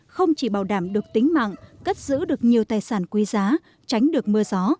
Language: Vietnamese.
không chỉ bảo đảm được tính mạng cất giữ được nhiều tài sản quý giá tránh được mưa gió